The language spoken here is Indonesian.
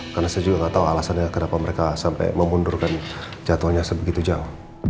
karena saya juga tidak tahu alasannya kenapa mereka sampai memundurkan jadwalnya sebegitu jauh